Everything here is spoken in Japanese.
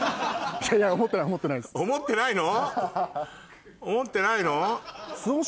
思ってないの？